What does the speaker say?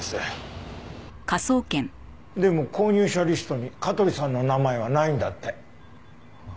でも購入者リストに香取さんの名前はないんだって。